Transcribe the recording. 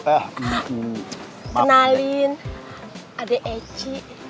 kenalin adik eci